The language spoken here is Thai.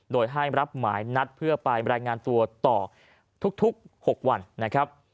โดยให้รับหมายนัดเพื่อไปรายงานตัวต่อทุก๖วันนะครับ